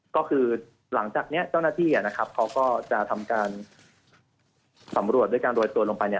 ก็คือหลังจากนี้เจ้าหน้าที่นะครับเขาก็จะทำการสำรวจด้วยการโรยตัวลงไปเนี่ย